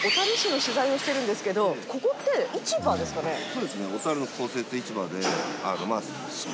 そうですね。